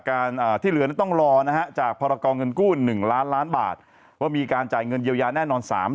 ก็ต้องฝรั่งเศสใช่ไหม